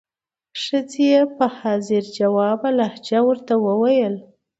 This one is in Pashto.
ښځې یې په حاضر جوابه لهجه ورته وویل.